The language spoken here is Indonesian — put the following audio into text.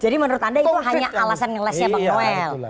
jadi menurut anda itu hanya alasan ngelesnya pak noel